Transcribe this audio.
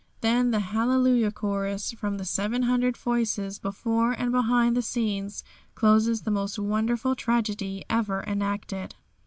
Then the "Hallelujah Chorus" from the 700 voices before and behind the scenes closes the most wonderful tragedy ever enacted.